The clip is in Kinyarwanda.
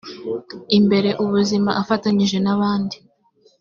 imbere ubuzima afatanyije n abandi